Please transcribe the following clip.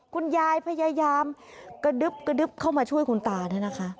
คุณยายพยายามกระดึ๊บเข้ามาช่วยคุณตานะคะ